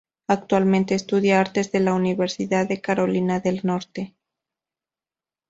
Actualmente estudia artes en la Universidad de Carolina del Norte.